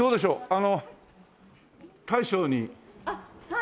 あの大将にあの。